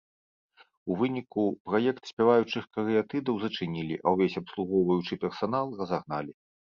У выніку праект спяваючых карыятыдаў зачынілі, а ўвесь абслугоўваючы персанал разагналі.